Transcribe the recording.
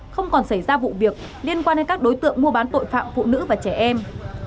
không còn xảy ra vụ việc liên quan đến các đối tượng mua bán tội phạm phụ nữ và trẻ em